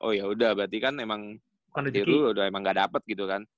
oh yaudah berarti kan emang diru udah emang gak dapet gitu kan